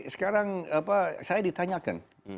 sekarang saya ditanyakan